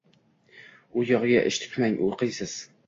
— U yog‘iga ish tutmang. O‘qiysiz!..